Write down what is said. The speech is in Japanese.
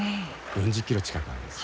４０ｋｇ近くあるんです。